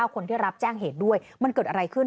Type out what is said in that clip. คนที่รับแจ้งเหตุด้วยมันเกิดอะไรขึ้น